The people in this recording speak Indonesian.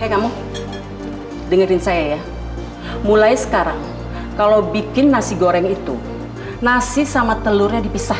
hei kamu dengerin saya ya mulai sekarang kalau bikin nasi goreng itu nasi sama telurnya dipisah